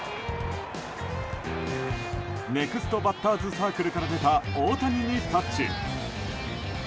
ネクストバッターズサークルから出た、大谷にタッチ。